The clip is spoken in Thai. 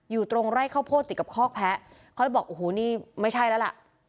อยู่ตรงไร่ข้าวโพดติดกับคอกแพ้เขาเลยบอกโอ้โหนี่ไม่ใช่แล้วล่ะ